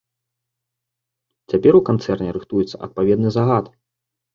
Цяпер у канцэрне рыхтуецца адпаведны загад.